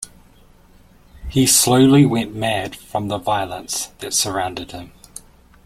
He slowly went mad from the violence that surrounded him.